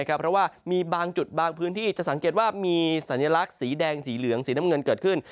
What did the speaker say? เพราะว่ามีบางจุดบางพื้นที่จะสังเกตว่ามีสัญลักษณ์สีแดงสีเหลืองสีน้ำเงินเกิดขึ้น